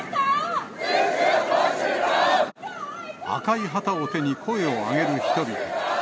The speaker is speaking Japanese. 赤い旗を手に声を上げる人々。